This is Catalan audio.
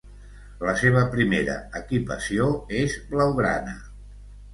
La seva primera equipació és blaugrana.